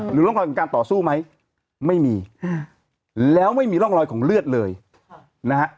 หรือร่องรอยของการต่อสู้ไหมไม่มีแล้วไม่มีร่องรอยของเลือดเลยนะฮะ